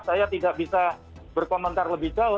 saya tidak bisa berkomentar lebih jauh